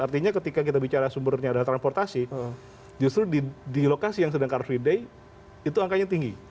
artinya ketika kita bicara sumbernya adalah transportasi justru di lokasi yang sedang car free day itu angkanya tinggi